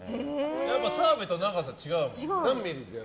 やっぱ澤部と長さ違うもん。